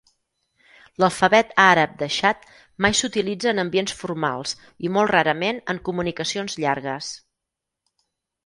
L'alfabet àrab de xat mai s'utilitza en ambients formals i molt rarament en comunicacions llargues.